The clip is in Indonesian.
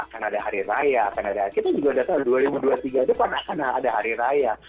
akan ada hari raya kita juga tahu tahun dua ribu dua puluh tiga depan akan ada hari raya